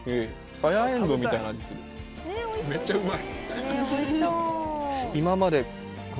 めっちゃうまい！